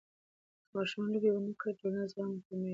که ماشوم لوبې ونه کړي، ټولنیز زغم یې کمېږي.